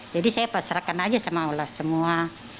jadi saya pasrakan aja sama allah semua